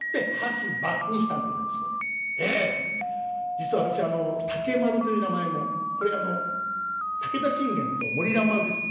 実は私あの「竹丸」という名前もこれあの武田信玄と森蘭丸です。